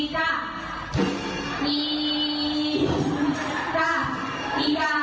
น้ำ